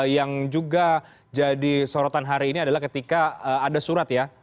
yang juga jadi sorotan hari ini adalah ketika ada surat ya